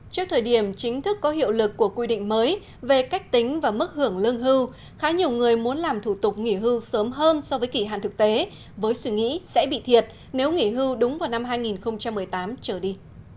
trước thời điểm chính thức có hiệu lực của quy định mới về cách tính và mức hưởng lương hưu khá nhiều người muốn làm thủ tục nghỉ hưu sớm hơn so với kỷ hạn thực tế với suy nghĩ sẽ bị thiệt nếu nghỉ hưu đúng vào năm hai nghìn một mươi tám trở đi